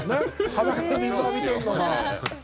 裸で水浴びてるのが。